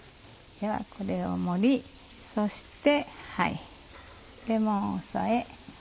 ではこれを盛りそしてレモンを添え。